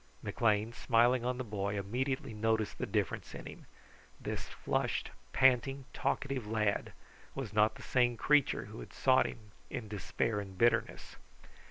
McLean, smiling on the boy, immediately noticed the difference in him. This flushed, panting, talkative lad was not the same creature who had sought him in despair and bitterness.